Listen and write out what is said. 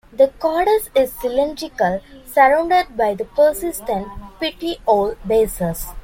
The caudex is cylindrical, surrounded by the persistent petiole bases.